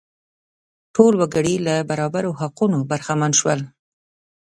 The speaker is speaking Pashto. ټول وګړي له برابرو حقونو برخمن شول.